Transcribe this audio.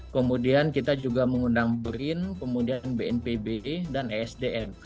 kemudian kita juga mengundang brin kemudian bnpb dan esdm